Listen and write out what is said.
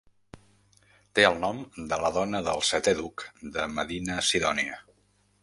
Té el nom de la dona del setè duc de Medina-Sidònia.